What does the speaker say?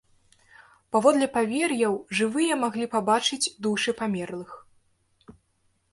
Паводле павер'яў, жывыя маглі пабачыць душы памерлых.